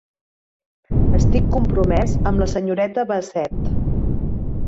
Estic compromès amb la senyoreta Bassett.